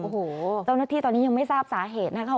โอ้โหเจ้าหน้าที่ตอนนี้ยังไม่ทราบสาเหตุนะคะ